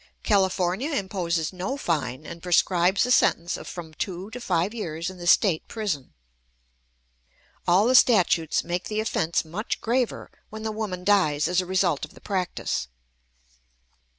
California imposes no fine, and prescribes a sentence of from two to five years in the State prison. All the statutes make the offense much graver when the woman dies as a result of the practice.